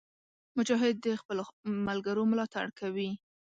مجاهد د خپلو ملګرو ملاتړ کوي.